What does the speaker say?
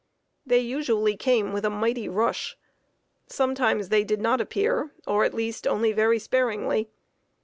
They usually came with a mighty rush. Sometimes they did not appear, or, at least, only very sparingly.